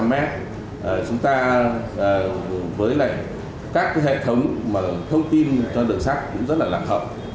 ba trăm linh m chúng ta với các hệ thống thông tin cho đường sắt cũng rất là lạc hợp